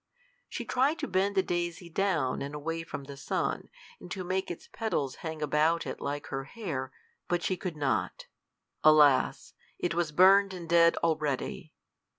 She tried to bend the daisy down and away from the sun, and to make its petals hang about it like her hair, but she could not. Alas! it was burned and dead already!